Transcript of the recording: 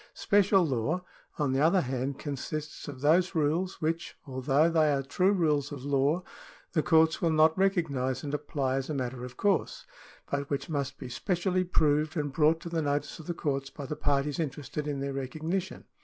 Special law, on the other hand, consists of those rules which, although they are true rules of law, the courts will not recognise and apply as a matter of course, but which must be specially proved and brought to the notice of the courts by the parties interested in their recognition.